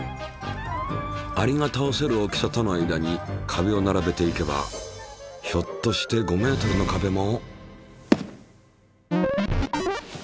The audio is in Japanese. アリがたおせる大きさとの間に壁を並べていけばひょっとして５ｍの壁も。